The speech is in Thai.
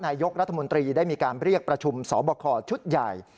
นายกรัฐมนตรีได้มีการเรียกประชุมสอบคอชุดใหญ่